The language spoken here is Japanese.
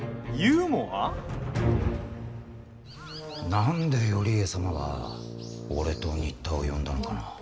何で頼家様は俺と仁田を呼んだのかな。